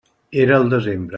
Era al desembre.